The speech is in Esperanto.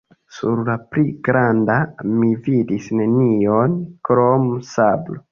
Sur la pli granda mi vidis nenion krom sablo.